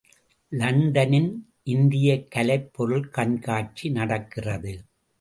லண்டனில் இந்தியக் கலைப்பொருள் கண்காட்சி நடக்கிறது.